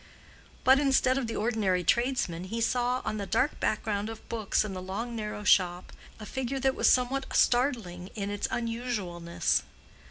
But instead of the ordinary tradesman, he saw, on the dark background of books in the long narrow shop, a figure that was somewhat startling in its unusualness.